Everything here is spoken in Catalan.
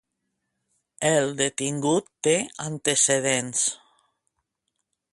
El detingut té antecedents.